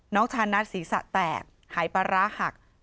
น้องชานัทศรีสะแตกหายปร้าหัก